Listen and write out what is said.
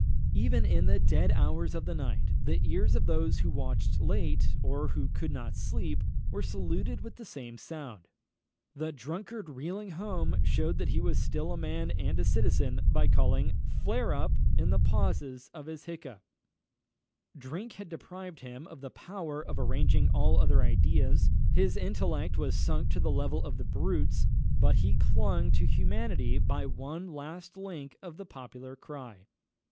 Even in the dead hours of the night, the ears of those who watched late, or who could not sleep, were saluted with the same sound. The drunkard reeling home shewed that he was still a man and a citizen, by calling "flare up!" in the pauses of his hiccough. Drink had deprived him of the power of arranging all other ideas; his intellect was sunk to the level of the brute's; but he clung to humanity by the one last link of the popular cry.